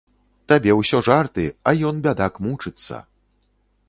Табе ўсё жарты, а ён, бядак, мучыцца.